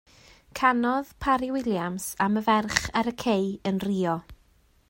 Canodd Parry-Williams am y ferch ar y cei yn Rio.